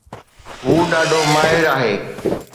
هو ڏاڍو ماهر آهي